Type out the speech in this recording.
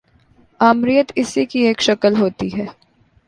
آمریت اسی کی ایک شکل ہوتی ہے۔